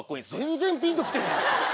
全然ピンときてへんな。